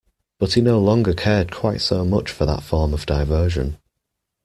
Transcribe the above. But he no longer cared quite so much for that form of diversion.